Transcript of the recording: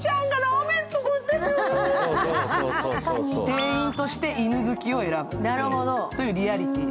店員として犬好きを選ぶというリアリティー。